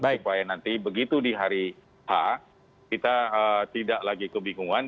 supaya nanti begitu di hari h kita tidak lagi kebingungan